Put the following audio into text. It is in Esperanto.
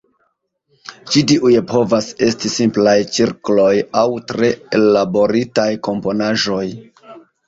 Ĉi tiuj povas esti simplaj cirkloj aŭ tre ellaboritaj komponaĵoj.